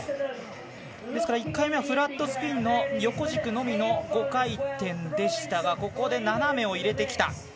ですから１回目はフラットスピンの横軸のみの５回転でしたが斜めを入れてきた。